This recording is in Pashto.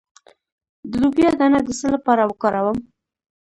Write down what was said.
د لوبیا دانه د څه لپاره وکاروم؟